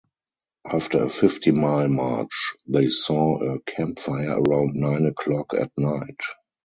After a fifty-mile march, they saw a campfire around nine o'clock at night.